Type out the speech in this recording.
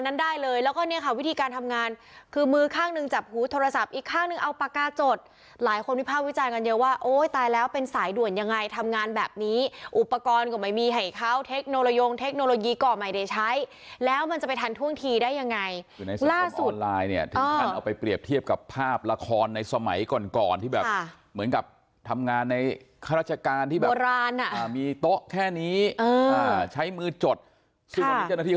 นั้นได้เลยแล้วก็เนี่ยค่ะวิธีการทำงานคือมือข้างหนึ่งจับหูโทรศัพท์อีกข้างหนึ่งเอาปากกาจดหลายคนมีภาพวิจัยกันเยอะว่าโอ้ยตายแล้วเป็นสายด่วนยังไงทำงานแบบนี้อุปกรณ์ก็ไม่มีให้เขาเทคโนโลยงเทคโนโลยีก่อใหม่ได้ใช้แล้วมันจะไปทันท่วงทีได้ยังไงล่าสุดออนไลน์เนี่ยเอาไปเปร